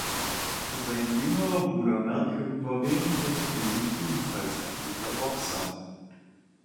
Sein jüngerer Bruder Malcolm war während seiner Jugend ebenfalls ein guter Boxer.